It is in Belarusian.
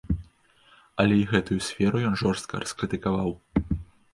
Але і гэтую сферу ён жорстка раскрытыкаваў.